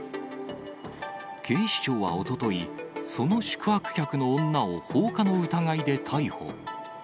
警視庁はおととい、その宿泊客の女を放火の疑いで逮捕。